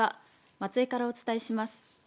松江からお伝えします。